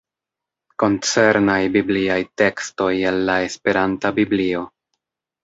Koncernaj bibliaj tekstoj el la esperanta Biblio.